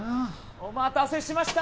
お待たせしました！